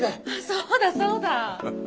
そうだそうだ。